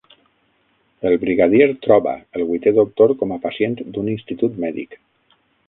El Brigadier troba el vuitè doctor com a pacient d'un institut mèdic.